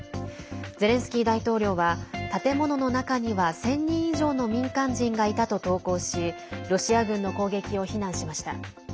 ゼレンスキー大統領は建物の中には１０００人以上の民間人がいたと投稿しロシア軍の攻撃を非難しました。